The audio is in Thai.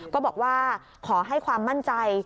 ก็บอกว่าขอให้ความมั่นใจ